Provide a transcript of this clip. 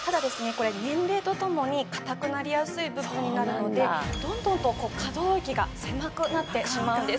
これ年齢とともに硬くなりやすい部分になるのでどんどんと可動域が狭くなってしまうんです